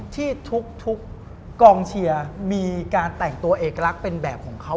ที่ทุกกองเชียร์มีการแต่งตัวเอกลักษณ์เป็นแบบของเขา